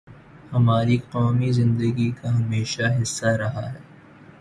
ہماری قومی زندگی کا ہمیشہ حصہ رہا ہے۔